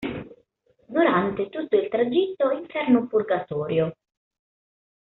Durante tutto il tragitto inferno-purgatorio.